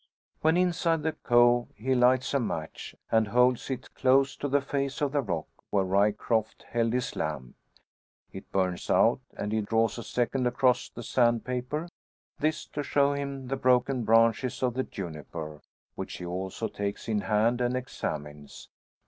When inside the cove he lights a match, and holds it close to the face of the rock where Ryecroft held his lamp. It burns out and he draws a second across the sand paper; this to show him the broken branches of the juniper, which he also takes in hand and examines.